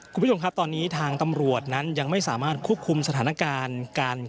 คุณผู้ชมครับตอนนี้ทางตำรวจนั้นยังไม่สามารถควบคุมสถานการณ์การ